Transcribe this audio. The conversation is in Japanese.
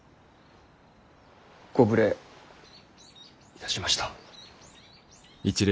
ご無礼いたしました。